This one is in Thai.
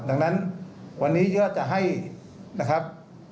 ดังนั้นวันนี้เยอะจะให้นะครับ